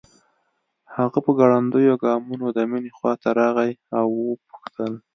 هغه په ګړنديو ګامونو د مينې خواته راغی او وپوښتل